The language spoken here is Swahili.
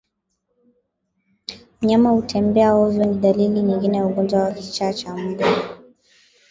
Mnyama kutembea ovyo ni dalili nyingine ya ugonjwa wa kichaa cha mbwa